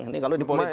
ini kalau di politik